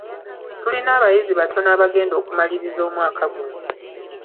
Tulina abayizi batono abagenda okumaliriza omwaka guno.